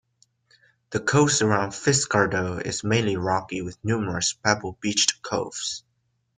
The coast around Fiskardo is mainly rocky with numerous pebble-beached coves.